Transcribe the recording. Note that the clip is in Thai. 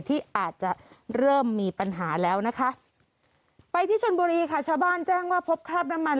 ที่อาจจะเริ่มมีปัญหาแล้วนะคะไปที่ชนบุรีค่ะชาวบ้านแจ้งว่าพบคราบน้ำมัน